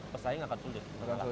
pesaing akan sulit